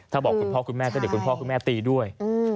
ถ้าบอกคุณพ่อคุณแม่ก็เดี๋ยวคุณพ่อคุณแม่ตีด้วย